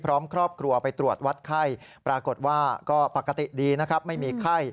พร้อมครอบครัวไปตรวจวัดไข้